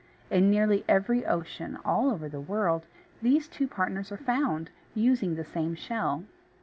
In nearly every ocean, all over the world, these two partners are found, using the same shell.